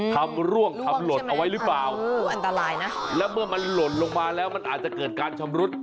ร่วงทำหล่นเอาไว้หรือเปล่าอันตรายนะแล้วเมื่อมันหล่นลงมาแล้วมันอาจจะเกิดการชำรุด